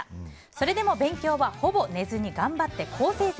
それでも勉強はほぼ寝ずに頑張って好成績。